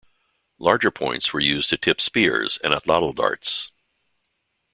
Larger points were used to tip spears and atlatl darts.